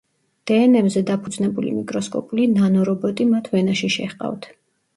დე-ენ-ემზე დაფუძნებული მიკროსკოპული ნანო-რობოტი მათ ვენაში შეჰყავთ.